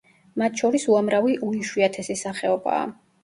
მათ შორის უამრავი უიშვიათესი სახეობაა.